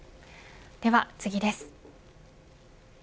では次です。